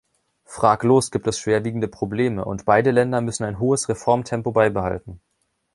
Fraglos gibt es schwerwiegende Probleme, und beide Länder müssen ein hohes Reformtempo beibehalten.